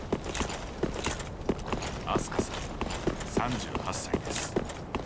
あすかさん、３８歳です。